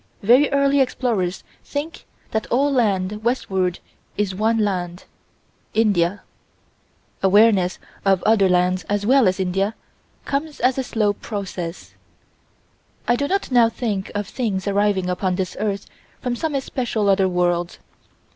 Very early explorers think that all land westward is one land, India: awareness of other lands as well as India comes as a slow process. I do not now think of things arriving upon this earth from some especial other world.